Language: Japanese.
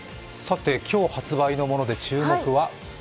今日発売のもので注目は？